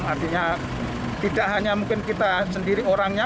artinya tidak hanya mungkin kita sendiri orangnya